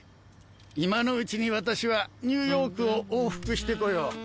今のうちに私はニューヨークを往復して来よう。